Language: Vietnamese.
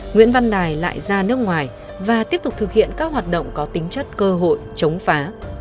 nguyễn văn đài lại ra nước ngoài và tiếp tục thực hiện các hoạt động có tính chất cơ hội chống phá